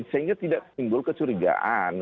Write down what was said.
sehingga tidak simbol kecurigaan